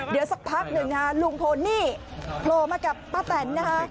เดี๋ยวสักพักหนึ่งลุงพลนี่โพลมากับป้าแตน